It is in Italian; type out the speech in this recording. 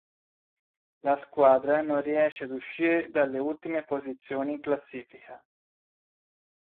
La squadra non riesce ad uscire dalle ultime posizioni in classifica.